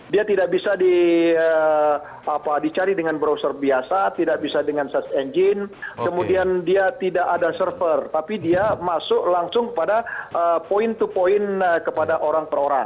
dia tidak bisa dicari dengan browser biasa tidak bisa dengan search engine kemudian dia tidak ada server tapi dia masuk langsung kepada point to point kepada orang per orang